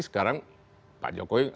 sekarang pak jokowi